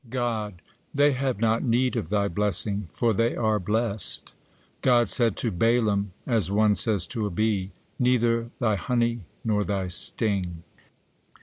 God: "They have not need of thy blessing, for they are blessed." God said to Balaam as one says to a bee: "Neither thy honey nor thy sting."